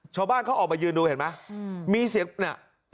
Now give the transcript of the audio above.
ชาวบ้านเขาออกไปยืนดูเห็นไหม